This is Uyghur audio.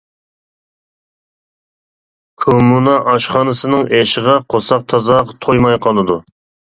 -كوممۇنا ئاشخانىسىنىڭ ئېشىغا قورساق تازا تويماي قالىدۇ.